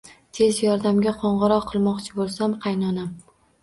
Tez yordamga qo`ng`iroq qilmoqchi bo`lsam, qaynonam